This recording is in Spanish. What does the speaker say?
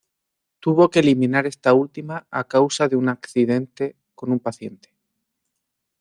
Tuvo que eliminar esta última a causa de un accidente con un paciente.